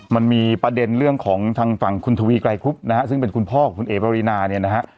มันมีประเด็นเรื่องของทางฝั่งคุณทวีไกรครุบนะฮะซึ่งเป็นคุณพ่อของคุณเอ๋ปรินาเนี่ยนะฮะ